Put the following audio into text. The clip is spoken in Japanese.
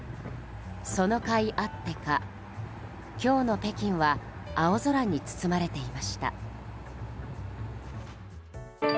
そのかいあってか、今日の北京は青空に包まれていました。